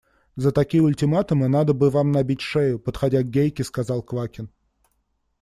– За такие ультиматумы надо бы вам набить шею, – подходя к Гейке, сказал Квакин.